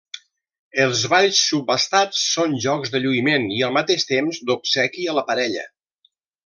Els balls subhastats són jocs de lluïment i al mateix temps d'obsequi a la parella.